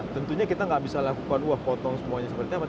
tentunya kita nggak bisa lakukan wah potong semuanya seperti apa